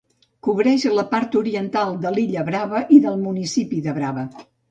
Cobrix la part oriental de l'illa Brava i del municipi de Brava.